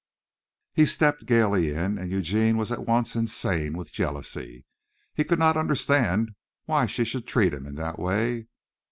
He stepped gaily in, and Eugene was at once insane with jealousy. He could not understand why she should treat him in that way.